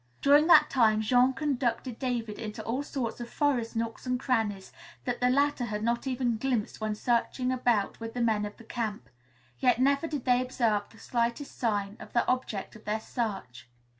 During that time Jean conducted David into all sorts of forest nooks and crannies that the latter had not even glimpsed when searching about with the men of the camp. Yet never did they observe the slightest sign of the object of their search.